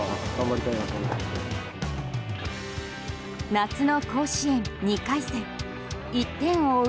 夏の甲子園２回戦１点を追う